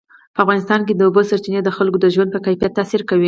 په افغانستان کې د اوبو سرچینې د خلکو د ژوند په کیفیت تاثیر کوي.